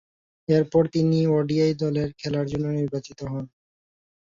এরপর তিনি ওডিআই দলে খেলার জন্য নির্বাচিত হন।